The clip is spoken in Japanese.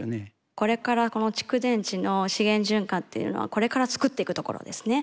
これからこの蓄電池の資源循環っていうのはこれから作っていくところですね。